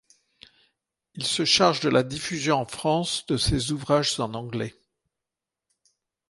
Ils se chargent de la diffusion en France de ces ouvrages en anglais.